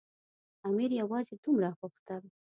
امیر یوازې دومره غوښتل.